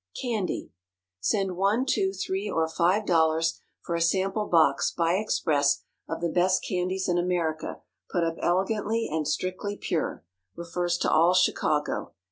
CANDY Send one, two, three, or five dollars for a sample box, by express, of the best Candies in America, put up elegantly and strictly pure. Refers to all Chicago.